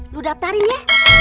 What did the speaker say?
lu daftarin ya